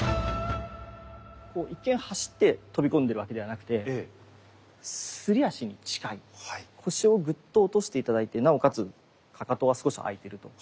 こう一見走って飛び込んでるわけではなくて腰をぐっと落として頂いてなおかつかかとは少しあいてると。